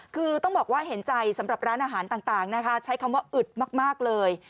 คือต้องบอกว่าเห็นใจสำหรับร้านอาหารต่างนะคะใช้คำว่าอึดมากเลย